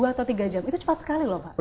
dua atau tiga jam itu cepat sekali loh pak